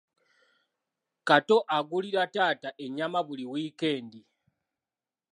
Kato agulira taata ennyama buli wiikendi.